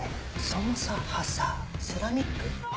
そのさ歯さセラミック？